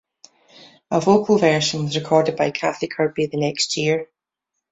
A vocal version was recorded by Kathy Kirby the next year.